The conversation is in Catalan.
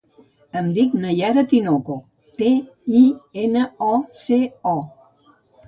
Em dic Nayara Tinoco: te, i, ena, o, ce, o.